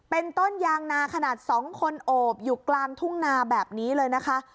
เป็นต้นยางนาขนาด๒คนโอบอยู่กลางทุ่งนาแบบนี้เลยนะคะ